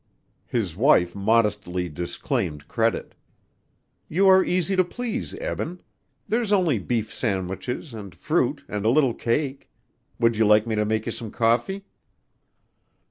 '" His wife modestly disclaimed credit. "You are easy to please, Eben. There's only beef sandwiches and fruit and a little cake. Would you like me to make you some coffee?"